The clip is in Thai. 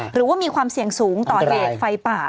หรือว่ามีความเสี่ยงสูงต่อเหตุไฟป่า